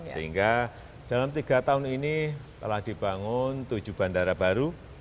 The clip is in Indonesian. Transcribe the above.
sehingga dalam tiga tahun ini telah dibangun tujuh bandara baru